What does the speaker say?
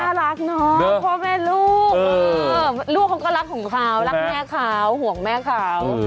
น่ารักเนาะพ่อแม่ลูกลูกเขาก็รักของเขารักแม่เขาห่วงแม่เขา